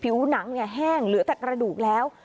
ผิวหนังแห้งเหลือแต่กระดูกแล้ว